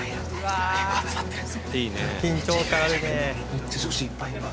「めっちゃ女子いっぱいいるわ」